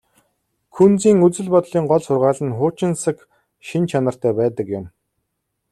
Күнзийн үзэл бодлын гол сургаал нь хуучинсаг шинж чанартай байдаг юм.